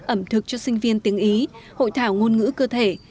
ẩm thực cho sinh viên tiếng ý hội thảo ngôn ngữ cơ thể